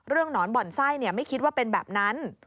หนอนบ่อนไส้ไม่คิดว่าเป็นแบบนั้น